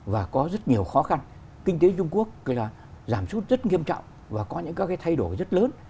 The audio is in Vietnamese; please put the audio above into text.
và có rất nhiều khó khăn kinh tế trung quốc giảm sút rất nghiêm trọng và có những các cái thay đổi rất lớn